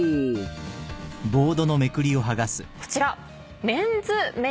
こちら。